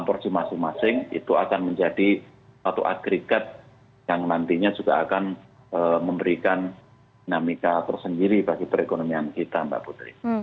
porsi masing masing itu akan menjadi satu agregat yang nantinya juga akan memberikan dinamika tersendiri bagi perekonomian kita mbak putri